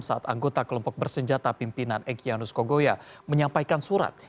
saat anggota kelompok bersenjata pimpinan egyanus kogoya menyampaikan surat